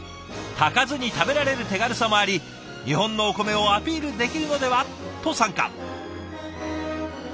炊かずに食べられる手軽さもあり日本のお米をアピールできるのでは？と参加。